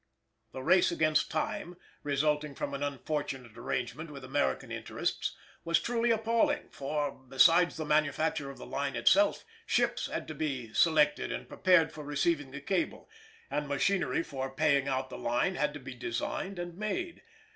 _ The race against time resulting from an unfortunate arrangement with American interests was truly appalling; for, besides the manufacture of the line itself, ships had to be selected and prepared for receiving the cable, and machinery for paying out the line had to be designed and made.